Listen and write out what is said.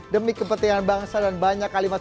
demi kepentingan bangsa dan banyak kalimat